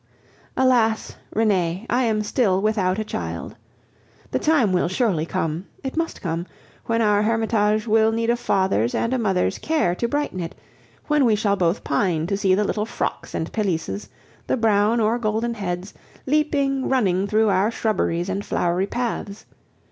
Alas! Renee, I am still without a child. The time will surely come it must come when our hermitage will need a father's and a mother's care to brighten it, when we shall both pine to see the little frocks and pelisses, the brown or golden heads, leaping, running through our shrubberies and flowery paths.